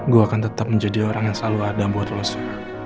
gue akan tetap menjadi orang yang selalu ada buat lo sa